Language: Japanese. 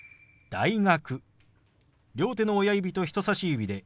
「大学」。